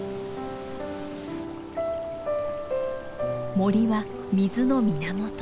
森は水の源。